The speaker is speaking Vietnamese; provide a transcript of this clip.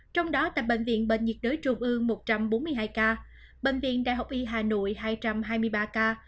trong đó tại bệnh viện bệnh nhiệt đới trung ương một trăm bốn mươi hai ca bệnh viện đại học y hà nội hai trăm hai mươi ba ca